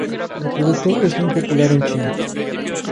El producto es muy popular en China.